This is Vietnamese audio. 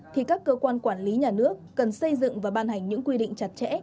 thì các cơ quan quản lý nhà nước cần xây dựng và ban hành những quy định chặt chẽ